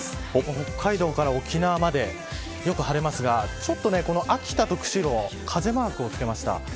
北海道から沖縄までよく晴れますが秋田と釧路には風マークをつけました。